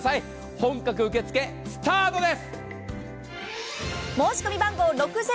本格受け付けスタートです。